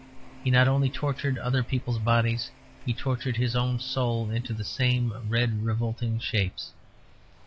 He not only tortured other people's bodies; he tortured his own soul into the same red revolting shapes.